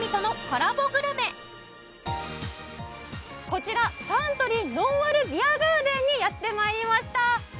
こちらサントリーのんあるビアガーデンにやって参りました！